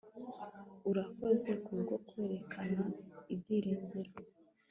Urakoze kubwo kwerekana ibyiringiro